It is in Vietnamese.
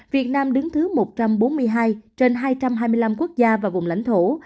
việt nam đứng thứ một trăm bốn mươi hai trên hai trăm hai mươi năm quốc gia và vùng lãnh thổ